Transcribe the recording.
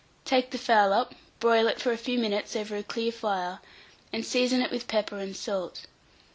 Take the fowl up, broil it for a few minutes over a clear fire, and season it with pepper and salt.